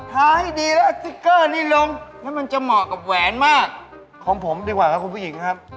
ขัดให้สะอาดแล้วตะไกตัดเล็บไปใช้